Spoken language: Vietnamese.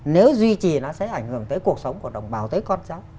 nếu duy trì nó sẽ ảnh hưởng tới cuộc sống của đồng bào tới con cháu